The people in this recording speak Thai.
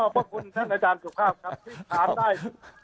ขอบคุณท่านอาจารย์สุภาพครับที่ถามได้